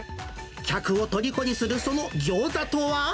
客をとりこにするそのギョーザとは。